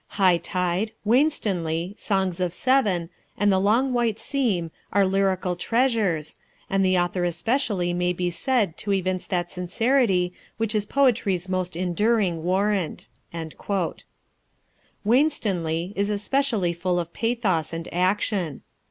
High Tide, Winstanley, Songs of Seven, and the Long White Seam are lyrical treasures, and the author especially may be said to evince that sincerity which is poetry's most enduring warrant." Winstanley is especially full of pathos and action.